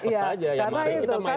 yang tertangkap apa saja